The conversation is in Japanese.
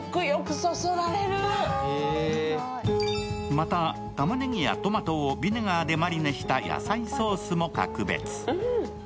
また、たまねぎやトマトをビネガーでマリネした野菜ソースも格別。